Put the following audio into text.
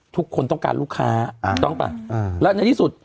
ทุกคนต้องการลูกค้าต้องป่ะแล้วในที่สุด